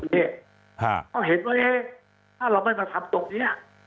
และเห็นว่าถ้าเราไม่มาทำพวกนี้